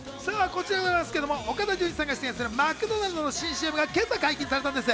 こちら岡田さんが出演するマクドナルドの新ＣＭは今朝解禁されたんです。